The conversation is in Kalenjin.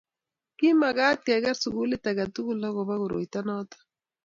ki mekat ke ker sukulit age tugul akubo koroito noto